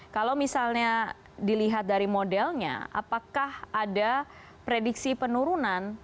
kalau misalnya dilihat dari modelnya apakah ada prediksi penurunan